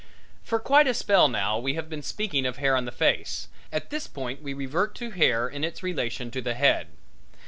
For quite a spell now we have been speaking of hair on the face; at this point we revert to hair in its relation to the head.